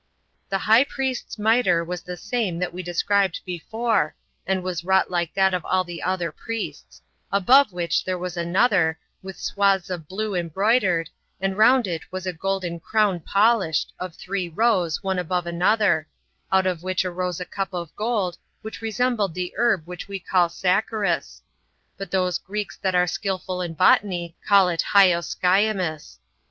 6. The high priest's mitre was the same that we described before, and was wrought like that of all the other priests; above which there was another, with swathes of blue embroidered, and round it was a golden crown polished, of three rows, one above another; out of which arose a cup of gold, which resembled the herb which we call Saccharus; but those Greeks that are skillful in botany call it Hyoscyamus.